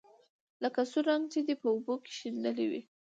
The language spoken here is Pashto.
لکه سور رنګ چې دې په اوبو کې شېندلى وي.